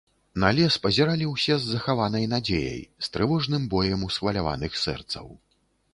На лес пазіралі ўсе з захаванай надзеяй, з трывожным боем усхваляваных сэрцаў.